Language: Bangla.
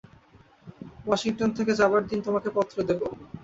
ওয়াশিংটন থেকে যাবার দিন তোমাকে পত্র দেব।